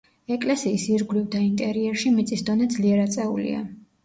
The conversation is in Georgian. ეკლესიის ირგვლივ და ინტერიერში მიწის დონე ძლიერ აწეულია.